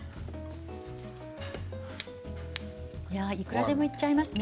いくらでもいっちゃいますね。